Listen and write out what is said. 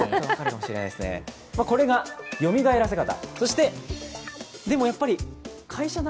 これがよみがえらせ方。